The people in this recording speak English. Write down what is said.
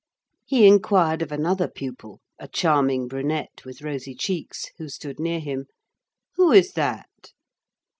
He inquired of another pupil, a charming brunette with rosy cheeks, who stood near him:— "Who is that?"